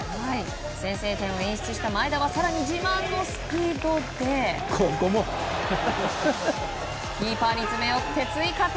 先制点を演出した前田は更に自慢のスピードでキーパーに詰め寄って追加点。